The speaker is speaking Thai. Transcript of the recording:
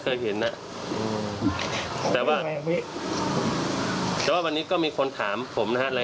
ก่อนจะทำคิดนี้ก็ทิชชูก่อนหน่อย